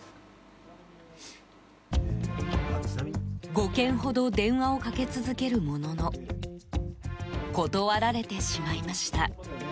５件ほど電話をかけ続けるものの断られてしまいました。